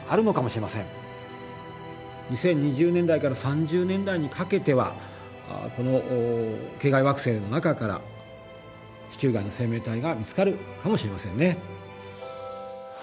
２０２０年代から３０年代にかけてはこの系外惑星の中から地球外の生命体が見つかるかもしれませんね。